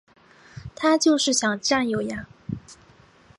他就想占有呀